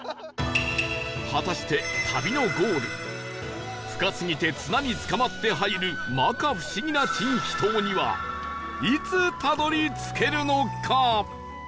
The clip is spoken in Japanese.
果たして旅のゴール深すぎて綱につかまって入る摩訶不思議な珍秘湯にはいつたどり着けるのか？